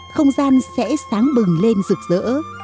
không gian sẽ sáng bừng lên rực rỡ